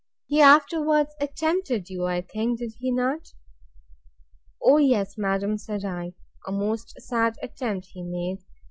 He afterwards attempted you, I think: Did he not? O yes, madam, said I, a most sad attempt he made!